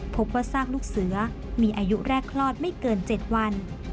พบว่าซากลูกเสือมีอายุแรกคลอดไม่เกิน๗วัน